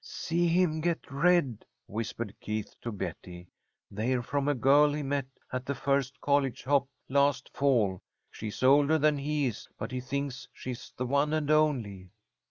"See him get red!" whispered Keith to Betty. "They're from a girl he met at the first college hop last fall. She's older than he is, but he thinks she's the one and only."